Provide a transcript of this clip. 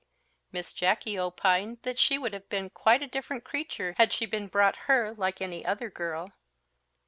Miss Jacky opined that she would have been quite a different creature had she been brought up like any other girl.